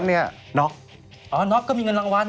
ก็แค่นี้ครับนอกนอกก็มีเงินรางวัล